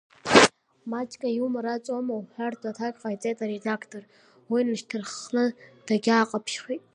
Маҷӡак аиумор аҵоума уҳәартә аҭак ҟаиҵеит аредақтор, уи инашьҭарххны дагьааҟаԥшьхеит.